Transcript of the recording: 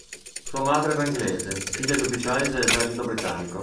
Sua madre era inglese, figlia di ufficiali dell'esercito britannico.